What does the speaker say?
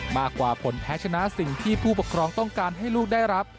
มากกว่าผลแพ้ชนะสิ่งที่ผู้ปกครองต้องการให้ลูกได้รับ